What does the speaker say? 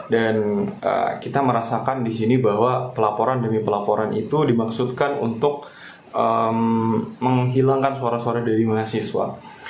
dan kita merasakan disini bahwa pelaporan demi pelaporan itu dimaksudkan untuk menghilangkan suara suara dari mahasiswa